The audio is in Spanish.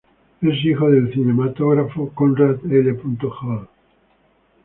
Es hijo del cinematógrafo Conrad L. Hall.